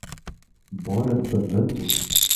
Bora no fandango